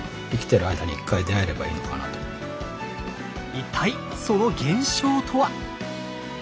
一体その現象とは？